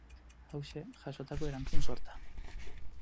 Hauxe, jasotako erantzun sorta.